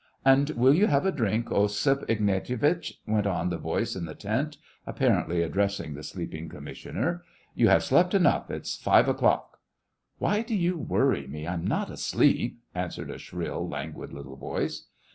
"And will you have a drink, Osip Ignatie vitch ?" went on the voice in the tent, apparently addressing the sleeping commiss'ioner. *' You have slept enough ; it's five o'clock." " Why do you worry me ? I am not asleep," answered a shrill, languid little voice.